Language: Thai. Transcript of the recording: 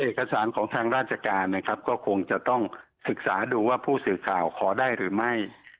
เอกสารของทางราชการนะครับก็คงจะต้องศึกษาดูว่าผู้สื่อข่าวขอได้หรือไม่